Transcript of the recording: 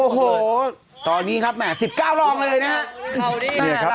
โอ้โหตอนนี้ครับแห่๑๙รองเลยนะครับ